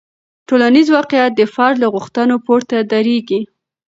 ټولنیز واقیعت د فرد له غوښتنو پورته دریږي.